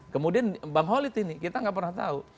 kemudian bang holid ini kita nggak pernah tahu